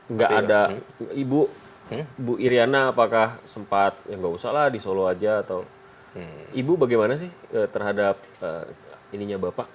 nggak ada ibu ibu iryana apakah sempat ya nggak usah lah di solo aja atau ibu bagaimana sih terhadap ininya bapak